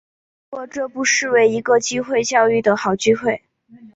不过这不失为一个机会教育的好机会